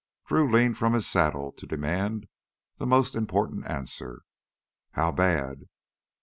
Drew leaned from his saddle to demand the most important answer. "How bad?"